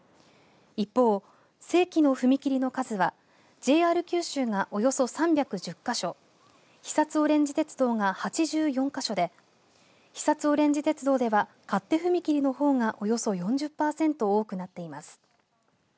一方、正規の踏切の数はＪＲ九州が、およそ３１０か所肥薩おれんじ鉄道が８４か所で肥薩おれんじ鉄道では勝手踏切のほうがおよそ４０パーセント多くなっています。